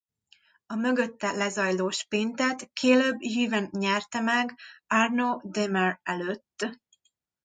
A mögötte lezajló sprintet Caleb Ewan nyerte meg Arnaud Démare előtt.